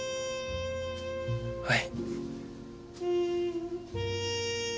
はい。